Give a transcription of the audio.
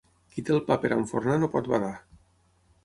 Qui té el pa per enfornar no pot badar.